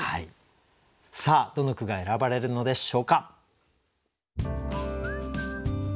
さあどの句が選ばれるのでしょうか。